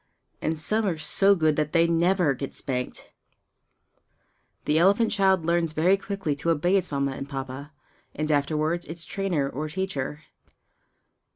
And some are so good that they never get spanked! The elephant child learns very quickly to obey its Mamma and Papa, and afterwards its trainer or teacher.